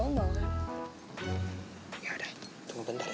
ya udah tunggu bentar